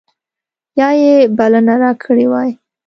یا یې بلنه راکړې وای.